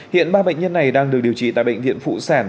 hiện ba bệnh nhân này đang được điều trị tại bệnh viện phụ sản